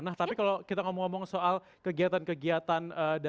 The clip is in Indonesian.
nah tapi kalau kita ngomong ngomong soal kegiatan kegiatan dari gen remaja gitu ya